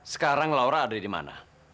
sekarang laura ada dimana